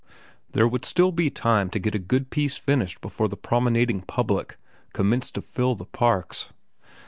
There would be still time to get a good piece finished before the promenading public commenced to fill the parks.